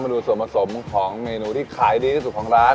ดูส่วนผสมของเมนูที่ขายดีที่สุดของร้าน